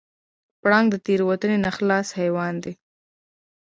پړانګ د تېروتنې نه خلاص حیوان دی.